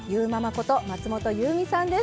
こと松本ゆうみさんです。